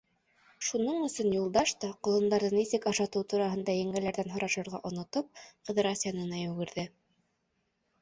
Шуның өсөн Юлдаш та, ҡолондарҙы нисек ашатыу тураһында еңгәләрҙән һорашырға онотоп, Ҡыҙырас янына йүгерҙе.